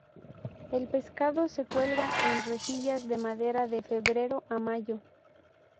El pescado se cuelga en rejillas de madera de febrero a mayo.